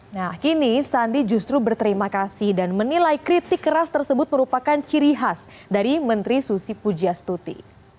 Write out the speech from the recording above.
nah kini sandi justru berterima kasih dan menilai kritik keras tersebut merupakan ciri khas dari menteri susi pujastuti